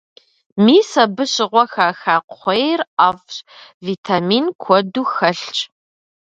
Мис абы щыгъуэ хаха кхъуейр ӏэфӏщ, витамин куэду хэлъщ.